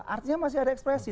artinya masih ada ekspresi